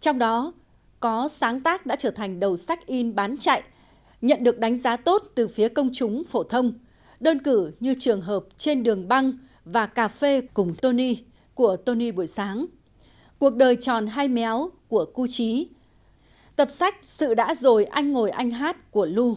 trong đó có sáng tác đã trở thành đầu sách in bán chạy nhận được đánh giá tốt từ phía công chúng phổ thông đơn cử như trường hợp trên đường băng và cà phê cùng tony của tony buổi sáng cuộc đời tròn hai méo của cú chí tập sách sự đã rồi anh ngồi anh hát của lu